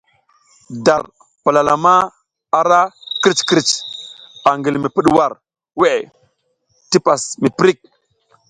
Dar palalama ara krǝc krǝc angi li mi pǝɗwar weʼe tisi pas miprik.